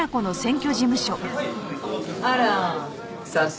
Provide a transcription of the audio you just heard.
あら早速？